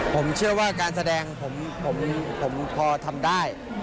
ผมเชื่อว่าการแสดงผมพอทำได้